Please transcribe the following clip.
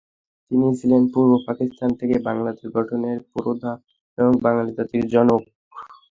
তিনি ছিলেন পূর্ব পাকিস্তান থেকে বাংলাদেশ গঠনের পুরোধা এবং বাঙালি জাতির জনক।